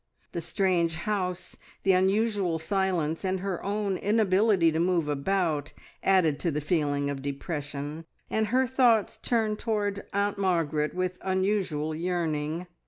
The strange house, the unusual silence, and her own inability to move about, added to the feeling of depression, and her thoughts turned towards Aunt Margaret with unusual yearning.